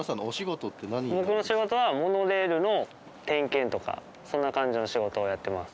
僕の仕事はモノレールの点検とかそんな感じの仕事をやってます。